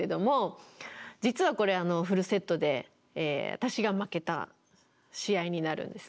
実はこれフルセットで私が負けた試合になるんですね。